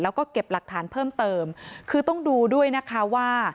แล้วก็เก็บหลักฐานเพิ่มเติมคือต้องดูด้วยนะคะว่า